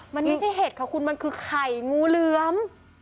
มันไม่ใช่เห็ดค่ะคุณมันคือไข่งูเหลือม